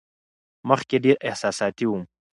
مخکې ډېره احساساتي وم.